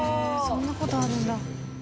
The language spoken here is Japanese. そんな事あるんだ。